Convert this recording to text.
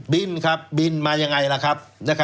บินครับบินมายังไงล่ะครับ